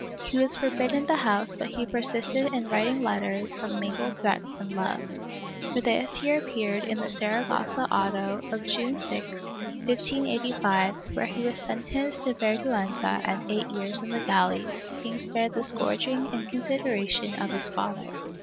He was forbidden the house but he persisted in writing letters of mingled threats and love. For this he appeared in the Saragossa auto of June 6, 1585, where he was sentenced to vergiienza and eight years in the galleys, being spared the scourging in consideration of his father.